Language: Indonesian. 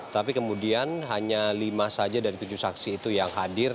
tapi kemudian hanya lima saja dari tujuh saksi itu yang hadir